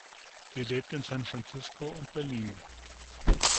Sie lebt in San Francisco und Berlin.